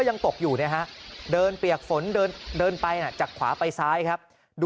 ยังตกอยู่นะฮะเดินเปียกฝนเดินไปจากขวาไปซ้ายครับ